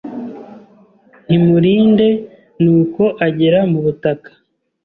Ntimurinde n'uko agera mu butaka